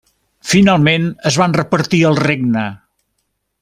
Finalment es van repartir el regne.